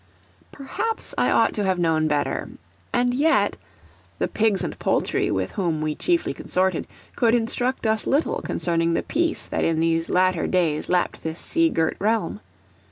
Perhaps I ought to have known better; and yet The pigs and poultry, with whom we chiefly consorted, could instruct us little concerning the peace that in these latter days lapped this sea girt realm.